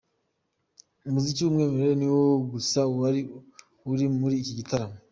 Umuziki w'umwimerere ni wo gusa wari uri muri iki gitaramo .